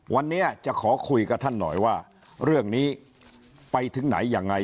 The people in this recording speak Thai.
วันนี้จะขอคุยกับท่านหน่อยว่าเรื่องนี้ไปถึงไหนยังไง